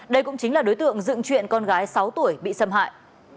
đây cũng chính là đối tượng dựng chuyện con gái sáu tuổi bị xâm hại